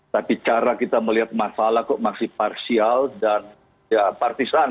tapi cara kita melihat masalah kok masih parsial dan ya partisan